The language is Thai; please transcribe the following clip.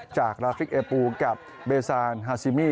ราฟิกเอปูกับเบซานฮาซิมี่